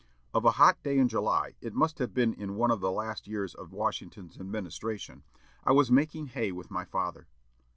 "Of a hot day in July, it must have been in one of the last years of Washington's administration, I was making hay with my father.